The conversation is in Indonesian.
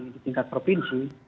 yang di tingkat provinsi